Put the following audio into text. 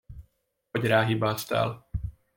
Hogy ráhibáztál.